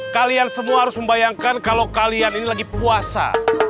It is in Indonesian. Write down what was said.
kalian semua harus membayangkan kalau kalian ini lagi puasa